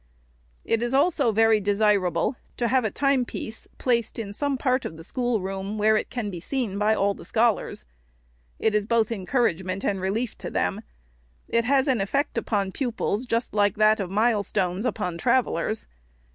It is also very desirable to have a time piece placed in some part of the schoolroom, where it can be seen by all the scholars. It is both encouragement and relief to them. It has an effect upon pupils, just like that of mile stones upon travellers.